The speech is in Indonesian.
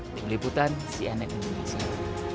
meliputan cnn indonesia